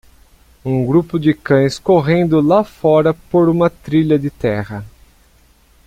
um grupo de cães correndo lá fora por uma trilha de terra.